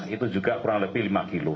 itu juga kurang lebih lima kilo